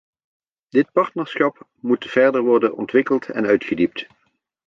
Dit partnerschap moet verder worden ontwikkeld en uitgediept.